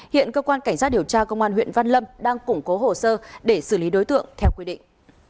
hiện cơ quan cảnh sát điều tra công an huyện văn lâm đang củng cố hồ sơ để xử lý đối tượng theo quy định